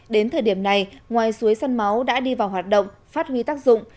đến thời điểm này ngoài suối sân máu đã đi vào hoạt động phát huy tác dụng